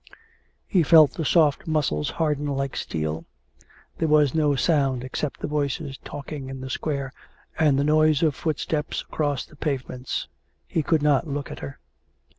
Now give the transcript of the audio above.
He felt the soft muscles harden like steel. ... There was no sound except the voices talking in the square and the noise of footsteps across the pavements. He could not look at her.